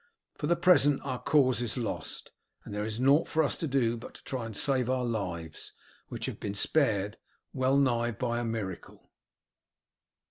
For the present our cause is lost, and there is nought for us to do but to try and save our lives, which have been spared well nigh by a miracle."